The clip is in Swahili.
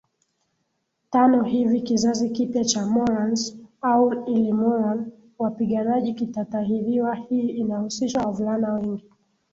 tano hivi kizazi kipya cha Morans au Ilmurran wapiganaji kitatahiriwa Hii inahusisha wavulana wengi